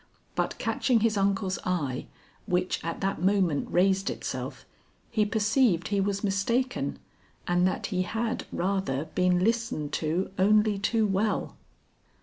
But catching his uncle's eye which at that moment raised itself, he perceived he was mistaken and that he had rather been listened to only too well.